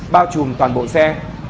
bao trùm toàn bộ xe